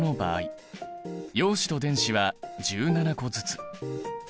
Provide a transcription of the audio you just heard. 陽子と電子は１７個ずつ。